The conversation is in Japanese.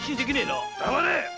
黙れ！